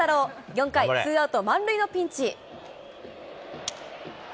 ４回、ツーアウト満塁のピンチ。